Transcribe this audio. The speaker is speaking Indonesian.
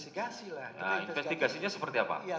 nah investigasinya seperti apa